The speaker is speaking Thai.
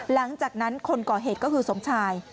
หลังจากนั้นคนก่อเหตุก็คือสมชาย